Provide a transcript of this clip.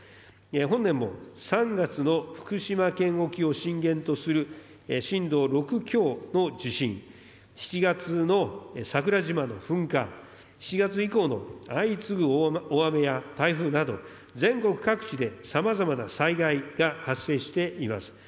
本年も３月の福島県沖を震源とする震度６強の地震、の桜島の噴火、７月以降の相次ぐ大雨や台風など全国各地でさまざまな災害が発生しています。